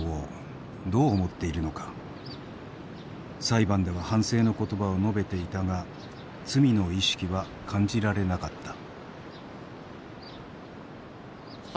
裁判では反省の言葉を述べていたが罪の意識は感じられなかった。